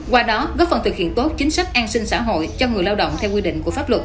qua đó góp phần thực hiện tốt chính sách an sinh xã hội cho người lao động theo quy định của pháp luật